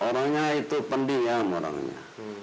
orangnya itu pendiam orangnya